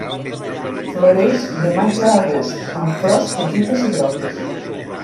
Floreix de maig a agost amb flors petites i grogues.